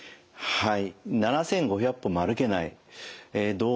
はい。